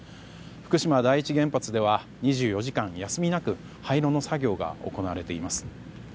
福島第一原発では２４時間休みなく廃炉の作業が行われています。